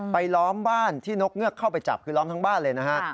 ล้อมบ้านที่นกเงือกเข้าไปจับคือล้อมทั้งบ้านเลยนะฮะ